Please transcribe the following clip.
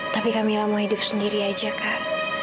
tapi kamila mau hidup sendiri aja kak